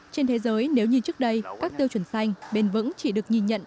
trên thế giới nếu như trước đây các tiêu chuẩn xanh bền vững chỉ được nhìn nhận